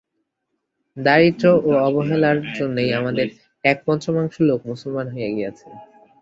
দারিদ্র্য ও অবহেলার জন্যই আমাদের এক-পঞ্চমাংশ লোক মুসলমান হইয়া গিয়াছে।